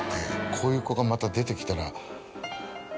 こういう子がまた出てきたら。